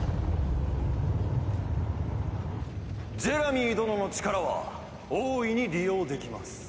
ジェラミー殿の力は大いに利用できます。